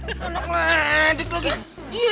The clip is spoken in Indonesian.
eh anak ladik lagi yee